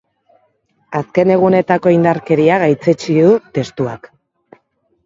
Azken egunetako indarkeria gaitzetsi du testuak.